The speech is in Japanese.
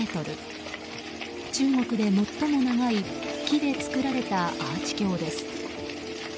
中国で最も長い木で作られたアーチ橋です。